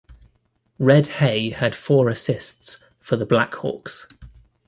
Red Hay had four assists for the Black Hawks.